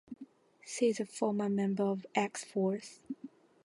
She is a former member of X-Force.